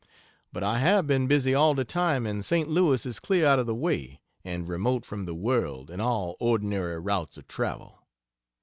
But I have been busy all the time and St. Louis is clear out of the way, and remote from the world and all ordinary routes of travel.